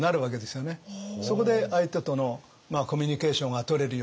そこで相手とのコミュニケーションがとれるような。